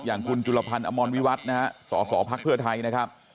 อย่างคุณจุลพันธ์อมรวิวัฒน์นะฮะสสพักเพื่อไทยนะครับ